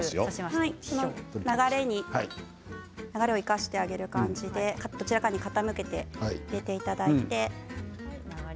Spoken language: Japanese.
流れを生かしてあげる感じでどちらかに傾けて入れていただいて。